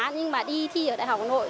nhưng mà đi thi ở đại học hà nội